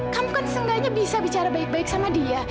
kamu kan seenggaknya bisa bicara baik baik sama dia